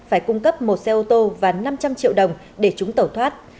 phải cung cấp một xe ô tô và năm trăm linh triệu đồng để chúng tẩu thoát